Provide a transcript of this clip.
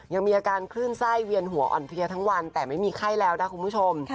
ยังมีอาการคลื่นไส้เวียนหัวอ่อนเพลียทั้งวันแต่ไม่มีไข้แล้วนะคุณผู้ชม